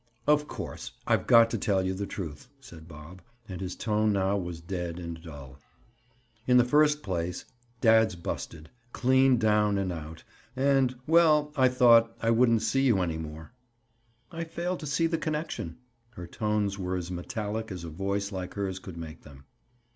"Of course, I've got to tell you the truth," said Bob, and his tone now was dead and dull. "In the first place, dad's busted, clean down and out, and—well, I thought I wouldn't see you any more." "I fail to see the connection." Her tones were as metallic as a voice like hers could make them.